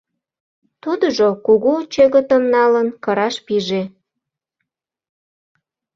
Тудыжо, кугу чӧгытым налын, кыраш пиже.